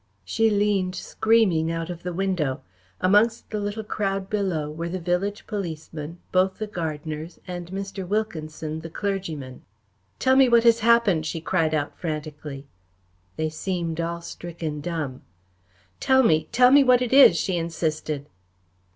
She leaned, screaming, out of the window. Amongst the little crowd below were the village policeman, both the gardeners, and Mr. Wilkinson, the clergyman. "Tell me what has happened?" she cried out frantically. They seemed all stricken dumb. "Tell me, tell me what it is?" she insisted.